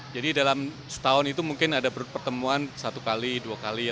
jadi dalam setahun itu mungkin ada pertemuan satu kali dua kali